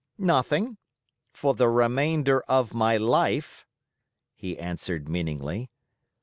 "Nothing—for the remainder of my life," he answered meaningly.